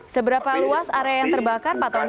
seberapa luas area yang terbakar pak tony